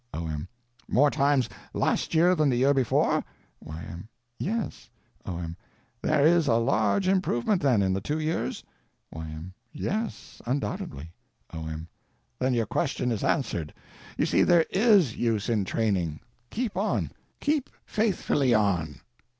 O.M. More times last year than the year before? Y.M. Yes. O.M. There is a large improvement, then, in the two years? Y.M. Yes, undoubtedly. O.M. Then your question is answered. You see there _is _use in training. Keep on. Keeping faithfully on.